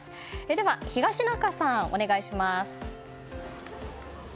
では東中さん、お願いします。